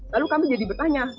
lalu kami jadi bertanya